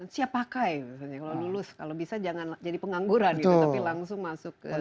siap pakai misalnya kalau lulus kalau bisa jangan jadi pengangguran gitu tapi langsung masuk ke